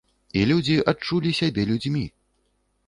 І людзі адчулі сябе людзьмі.